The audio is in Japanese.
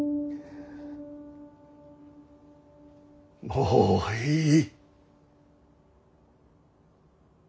もういい。